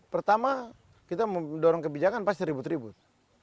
pertama kita mendorong kebijakan pasti ribut ribut